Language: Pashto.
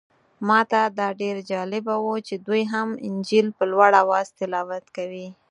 ماته دا ډېر جالبه و چې دوی هم انجیل په لوړ اواز تلاوت کوي.